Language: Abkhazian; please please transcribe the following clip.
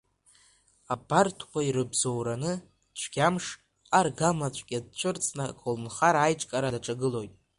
Абарҭқәа ирыбзоураны Цәгьамш аргамаҵәҟьа дцәырҵны аколнхара аиҿкаара даҿагылоит.